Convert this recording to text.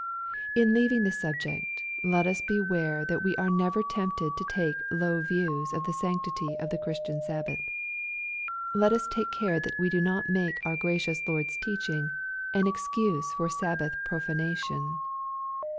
In leaving the subject, let us beware that we are never tempted to take low views of the sanctity of the Chris tian Sabbath. Let us take care that we do not make our gracious Lord's teaching an excuse for Sabbath profanation.